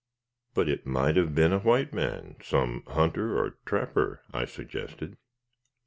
"But it might have been a white man some hunter or trapper?" I suggested.